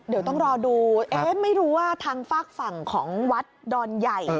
เดี๋ยวต้องรอดูเอ๊ะไม่รู้ว่าทางฝากฝั่งของวัดดอนใหญ่